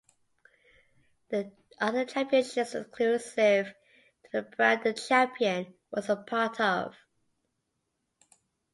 The other championships were exclusive to the brand the champion was a part of.